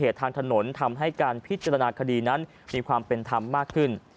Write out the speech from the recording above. ทางถนนทำให้การพิจารณาคดีนั้นมีความเป็นธรรมมากขึ้น